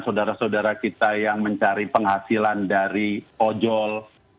saudara saudara kita yang mencari penghasilan dari ojol